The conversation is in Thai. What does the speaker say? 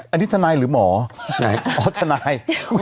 อันนี้ทนายหรือหมออ๋อทนาย